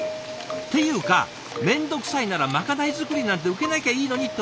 っていうか面倒くさいならまかない作りなんて受けなきゃいいのにと思うでしょ？